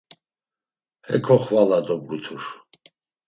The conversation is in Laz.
Heko xvala dobgutur.